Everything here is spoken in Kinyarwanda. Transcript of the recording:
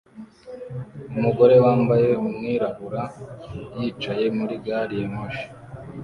Umugore wambaye umwirabura yicaye muri gari ya moshi